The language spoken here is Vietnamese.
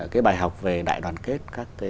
cái bài học về đại đoàn kết